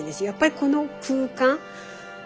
やっぱりこの空間。